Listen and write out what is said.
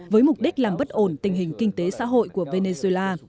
với mục đích làm bất ổn tình hình kinh tế xã hội của venezuela